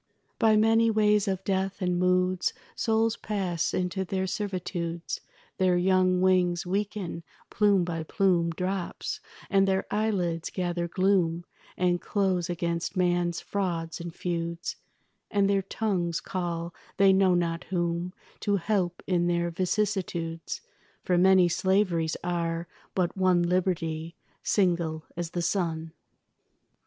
By many ways of death and moods Souls pass into their servitudes. Their young wings weaken, plume by plume Drops, and their eyelids gather gloom And close against man's frauds and feuds, And their tongues call they know not whom To help in their vicissitudes; For many slaveries are, but one Liberty, single as the sun.